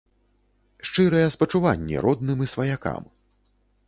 Шчырыя спачуванні родным і сваякам.